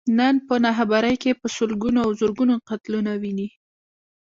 نن په ناخبرۍ کې په سلګونو او زرګونو قتلونه ويني.